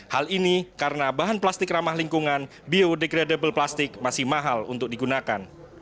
hal ini karena bahan plastik ramah lingkungan biodegradable plastik masih mahal untuk digunakan